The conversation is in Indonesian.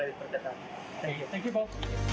terima kasih paul